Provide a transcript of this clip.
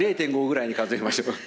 ０．５ぐらいに数えましょう。